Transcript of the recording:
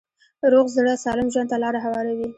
روغ زړه سالم ژوند ته لاره هواروي.